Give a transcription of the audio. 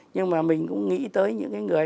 nhưng mà mình cũng nghĩ tới những cái người